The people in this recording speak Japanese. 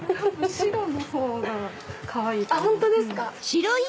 白のほうがかわいいかも。